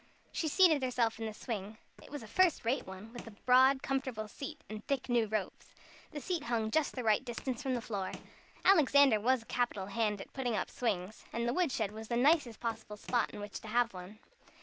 She seated herself in the swing. It was a first rate one, with a broad, comfortable seat, and thick new ropes. The seat hung just the right distance from the floor. Alexander was a capital hand at putting up swings, and the wood shed the nicest possible spot in which to have one.